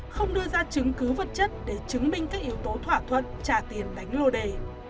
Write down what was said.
không đưa ra chứng cứ vật chất để chứng minh các yếu tố thỏa thuận trả tiền đánh lô đề